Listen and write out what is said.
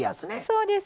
そうです。